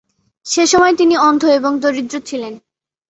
সেসময় তিনি অন্ধ এবং দরিদ্র ছিলেন।